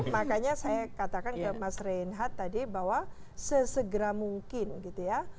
makanya saya katakan ke mas reinhardt tadi bahwa sesegera mungkin gitu ya